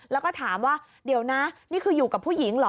แล้วก็ถามว่าเดี๋ยวนะนี่คืออยู่กับผู้หญิงเหรอ